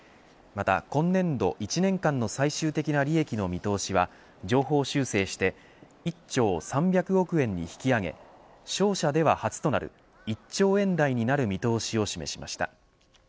また、今年度１年間の最終的な利益の見通しは上方修正して１兆３００億円に引き上げ商社では初となる１兆円台になる見通しを示しました。